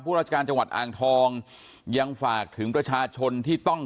ราชการจังหวัดอ่างทองยังฝากถึงประชาชนที่ต้อง